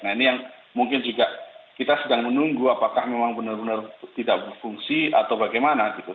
nah ini yang mungkin juga kita sedang menunggu apakah memang benar benar tidak berfungsi atau bagaimana gitu